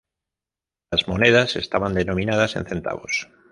Las monedas estaban denominadas en centavos.